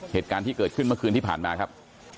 เหตุการณ์ที่เกิดขึ้นเมื่อคืนที่ผ่านมาครับ